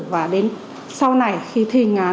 và đến sau này khi thi hình án